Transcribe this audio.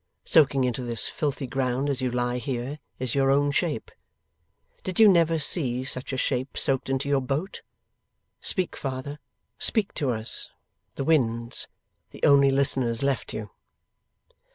Soaking into this filthy ground as you lie here, is your own shape. Did you never see such a shape soaked into your boat? Speak, Father. Speak to us, the winds, the only listeners left you!